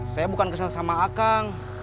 saya bukan kesan sama akang